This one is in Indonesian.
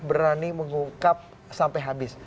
berani mengungkap sampai habis